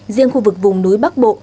riêng khu vực vùng núi bắc bộ